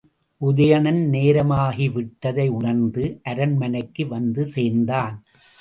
உதயணன் நேரமாகிவிட்டதை உணர்ந்து அரண்மனைக்கு வந்து சேர்ந்தான்.